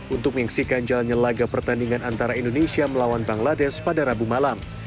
untuk menyaksikan jalannya laga pertandingan antara indonesia melawan bangladesh pada rabu malam